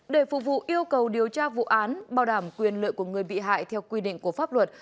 để phục vụ yêu cầu điều tra vụ án bảo đảm quyền lợi của người bị hại theo quy định của pháp luật